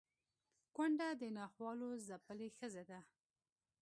کونډه د ناخوالو ځپلې ښځه ده